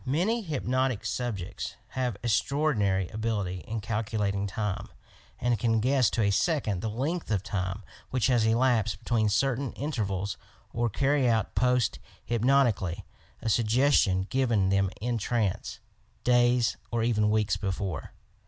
Many hypnotic subjects have estraordinary ability in calculating time, and can guess to a second the length of time which has elapsed between certain intervals or carry out "post hypnotically" a suggestion given them in trance, — days or even weeks before.